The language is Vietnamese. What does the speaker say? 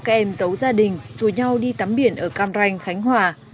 các em giấu gia đình dù nhau đi tắm biển ở cam ranh khánh hòa